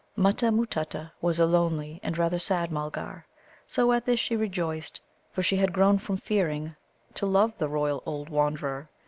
Mutta matutta was a lonely and rather sad Mulgar, so at this she rejoiced, for she had grown from fearing to love the royal old wanderer.